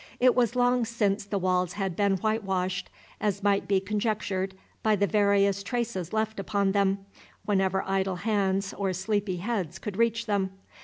It was long since the walls had been whitewashed, as might be conjectured by the various traces left upon them, wherever idle hands or sleepy heads could reach them.